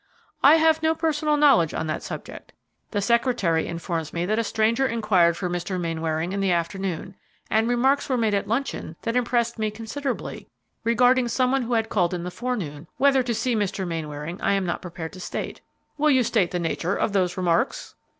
"I have no personal knowledge on that subject. The secretary informs me that a stranger inquired for Mr. Mainwaring in the afternoon, and remarks were made at luncheon, that impressed me considerably, regarding some one who had called in the forenoon, whether to see Mr. Mainwaring I am not prepared to state." "Will you state the nature of those remarks?"